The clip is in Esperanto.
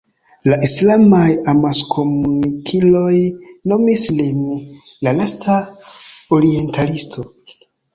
La islamaj amaskomunikiloj nomis lin "la lasta orientalisto".